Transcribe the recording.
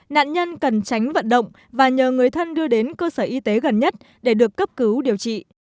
nạn nhân cần tránh vận động và nhờ người thân đưa đến cơ sở y tế gần nhất để được cấp cứu điều trị